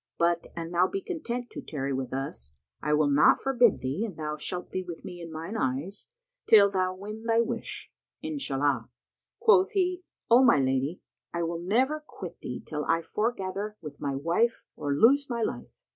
But an thou be content to tarry with us, I will not forbid thee and thou shalt be with me in mine eye,[FN#128] till thou win thy wish, Inshallah!" Quoth he, "O my lady, I will never quit thee till I foregather with my wife or lose my life!"